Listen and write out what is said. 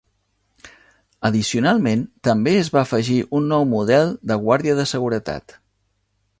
Addicionalment, també es va afegir un nou model de guàrdia de seguretat.